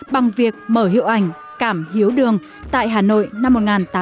bằng việc mở hiệu ảnh cảm hiếu đường tại hà nội năm một nghìn tám trăm sáu mươi chín